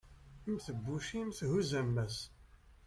mm tebbucin thuzz ammas